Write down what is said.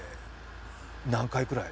何回くらい？